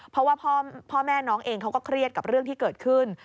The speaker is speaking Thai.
เพราะว่าพ่อแม่น้องเองเขาก็เครียดกับเรื่องที่เกิดขึ้น